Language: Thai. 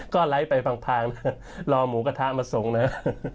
ก็ไลค์ไปพังนะรอหมูกระทะมาส่งนะ